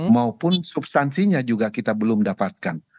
maupun substansinya juga kita belum dapatkan